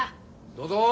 どうぞ！